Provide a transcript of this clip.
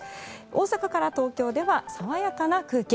大阪から東京では爽やかな空気。